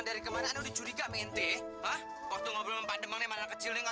jangan lupa like share dan subscribe